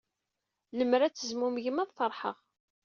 Lemmer ad tezmumgem, ad feṛḥeɣ.